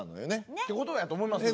ってことやと思いますよ。